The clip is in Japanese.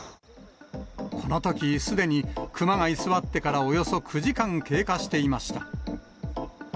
このとき、すでにクマが居座ってからおよそ９時間経過していました。